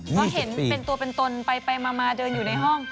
ก็เห็นเป็นตัวเป็นตนไปมาเดินอยู่ในห้อง